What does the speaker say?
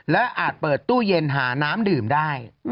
และอาจเปิดตู้เย็นหาน้ำดื่มได้